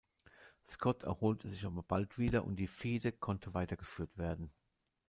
Scott erholte sich aber bald wieder und die Fehde konnte weitergeführt werden.